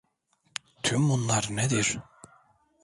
Tüm bunlar nedir?